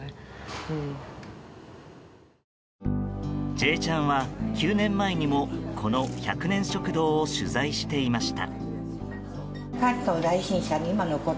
「Ｊチャン」は９年前にもこの１００年食堂を取材していました。